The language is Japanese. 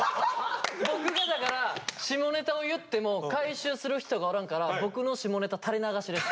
僕がだから下ネタを言っても回収する人がおらんから僕の下ネタ垂れ流しです。